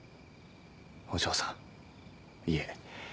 お嬢さんいえ